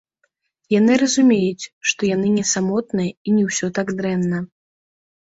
Яны разумеюць, што яны не самотныя і не ўсё так дрэнна.